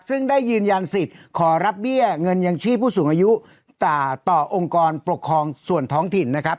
ซึ่งได้ยืนยันสิทธิ์ขอรับเบี้ยเงินยังชีพผู้สูงอายุต่อองค์กรปกครองส่วนท้องถิ่นนะครับ